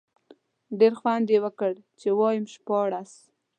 ډېر خوند یې وکړ، چې وایم شپاړس.